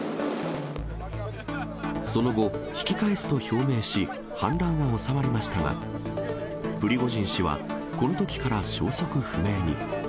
その後、引き返すと表明し、反乱は収まりましたが、プリゴジン氏はこのときから消息不明に。